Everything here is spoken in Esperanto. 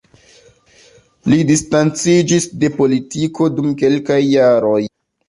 Li distanciĝis de politiko dum kelkaj jaroj.